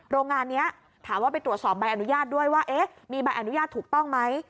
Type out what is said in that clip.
โรงงานนี้ถามว่าไปตรวจสอบใบอนุญาตด้วยว่ามีใบอนุญาตถูกต้องไหม